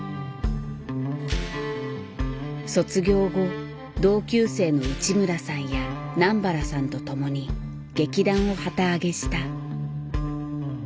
卒業後同級生の内村さんや南原さんと共に劇団を旗揚げした。